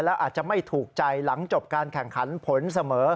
แล้วอาจจะไม่ถูกใจหลังจบการแข่งขันผลเสมอ